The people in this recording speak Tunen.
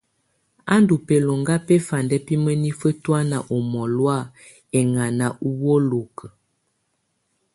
Á ndù bɛloŋga bɛfandɛ bi mǝnifǝ tɔ̀ána ù mɔ̀lɔ̀á ɛŋana ùwolokuǝ.